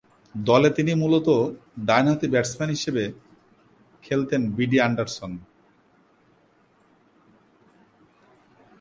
দলে তিনি মূলতঃ ডানহাতি ব্যাটসম্যান হিসেবে খেলতেন বিডি অ্যান্ডারসন।